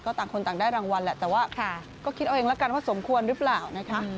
ต่างคนต่างได้รางวัลแหละแต่ว่าก็คิดเอาเองแล้วกันว่าสมควรหรือเปล่านะคะ